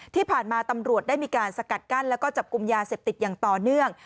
ที่ผ่านมาตำรวจได้มีการสกัดกั้นแล้วก็จับกลุ่มยาเสพติดอย่างต่อเนื่อง